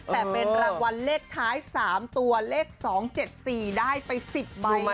แต่เป็นรางวัลเลขท้าย๓ตัวเลข๒๗๔ได้ไป๑๐ใบ